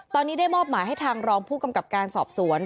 ตอนนี้ได้มอบหมายให้ทางรองผู้กำกับการสอบสวน